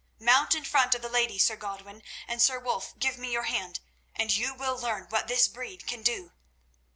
Mount in front of the lady, Sir Godwin; and, Sir Wulf, give me your hand, and you will learn what this breed can do."